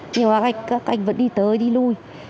nhưng mà các anh vẫn đi tới đi lui